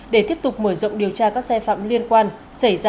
để tiếp tục mở rộng điều tra các sai phạm liên quan xảy ra